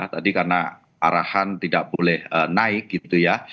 tadi karena arahan tidak boleh naik gitu ya